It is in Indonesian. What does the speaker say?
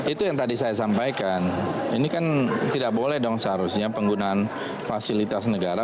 itu yang tadi saya sampaikan ini kan tidak boleh dong seharusnya penggunaan fasilitas negara